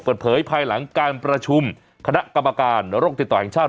เปิดเผยภายหลังการประชุมคณะกรรมการโรคติดต่อแห่งชาติ